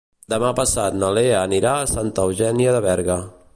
Demà passat na Lea anirà a Santa Eugènia de Berga.